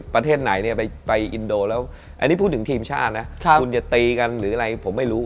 ไปอินโดแล้วอันนี้พูดถึงทีมชาตินะคุณอย่าตีกันหรืออะไรผมไม่รู้